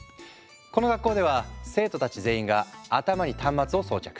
この学校では生徒たち全員が頭に端末を装着。